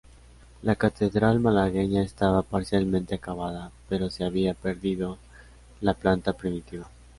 La catedral malagueña estaba parcialmente acabada, pero se había perdido la planta primitiva.